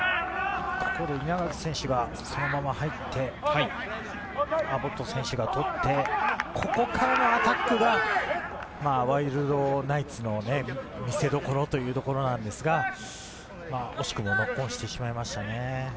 ここで稲垣選手がそのまま入って、アボット選手が取って、ここからのアタックが、ワイルドナイツの見せどころというところなんですが、惜しくもノックオンしてしまいましたね。